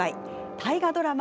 大河ドラマ